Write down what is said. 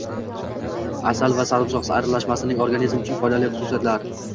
Asal va sarimsoq aralashmasining organizm uchun foydali xususiyatlari